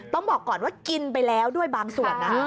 ต้องบอกก่อนว่ากินไปแล้วด้วยบางส่วนนะ